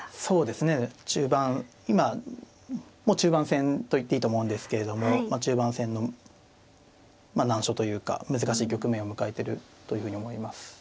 そうですね中盤今もう中盤戦と言っていいと思うんですけれどもまあ中盤戦の難所というか難しい局面を迎えてるというふうに思います。